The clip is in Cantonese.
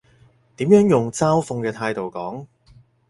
點樣用嘲諷嘅態度講？